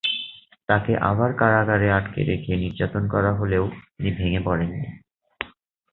তাকে আবার কারাগারে আটকে রেখে নির্যাতন করা হলেও তিনি ভেঙ্গে পড়েন নি।